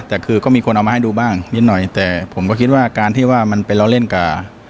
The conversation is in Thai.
แต่คือก็มีคนเอามาให้ดูบ้างนิดหน่อยแต่ผมก็คิดว่าการที่ว่ามันเป็นเราเล่นกับ